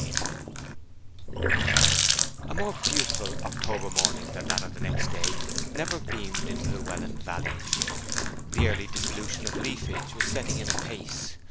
XVIII A more beautiful October morning than that of the next day never beamed into the Welland valleys. The yearly dissolution of leafage was setting in apace.